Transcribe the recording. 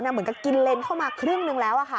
เหมือนกับกินเลนเข้ามาครึ่งนึงแล้ว